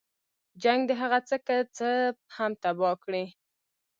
جنګ د هغه څه که څه هم تباه کړي.